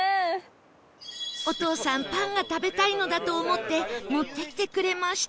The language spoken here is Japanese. お父さんパンが食べたいのだと思って持ってきてくれました。